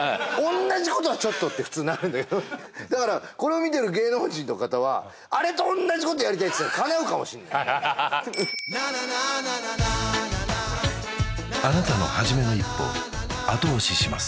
同じことはちょっとって普通なるんだけどだからこれを見てる芸能人の方はあれと同じことやりたいっつったらかなうかもしんないあなたのはじめの一歩後押しします